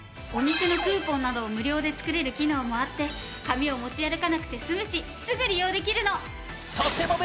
お店のクーポンなどを無料で作れる機能もあって紙を持ち歩かなくて済むしすぐ利用できるの。